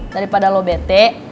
daripada lo bete